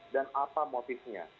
dan apa motifnya